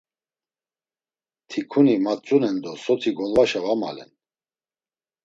Tikuni matzunen do soti golvaşa va malen.